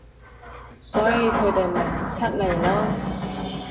所以佢哋咪唔出嚟囉